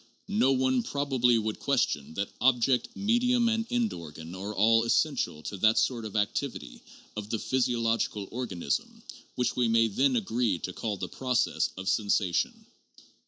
No one probably would question that object, medium, and end organ are all essential to that sort of activity of the physiological organism which we may then agree to call the process of sensation.